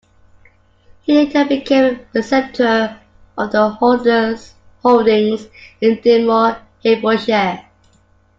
He later became preceptor of the Order's holdings in Dinmore, Herefordshire.